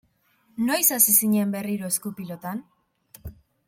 Noiz hasi zinen berriro esku-pilotan?